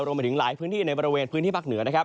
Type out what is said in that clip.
รวมไปถึงหลายพื้นที่ในบริเวณพื้นที่ภาคเหนือนะครับ